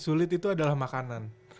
sulit itu adalah makanan